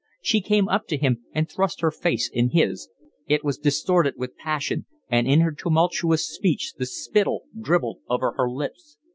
She came up to him and thrust her face in his. It was distorted with passion, and in her tumultuous speech the spittle dribbled over her lips.